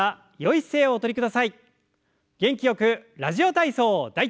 元気よく「ラジオ体操第１」。